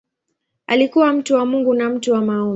Alikuwa mtu wa Mungu na mtu wa maombi.